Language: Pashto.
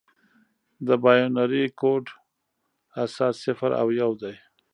د بایونري کوډ اساس صفر او یو دي.